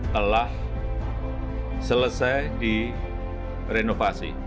telah selesai di renovasi